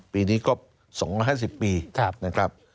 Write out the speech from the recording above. ปีนี้ก็สองพันสี่สิบปี